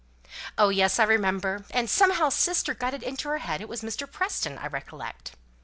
"Oh, yes! I remember. And somehow sister got it into her head it was Mr. Preston. I recollect."